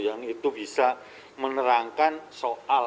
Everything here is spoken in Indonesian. yang itu bisa menerangkan suatu hal